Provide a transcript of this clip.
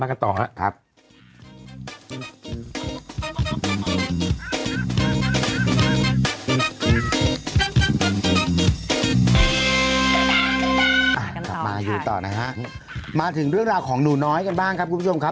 กลับมาอยู่ต่อนะฮะมาถึงเรื่องราวของหนูน้อยกันบ้างครับคุณผู้ชมครับ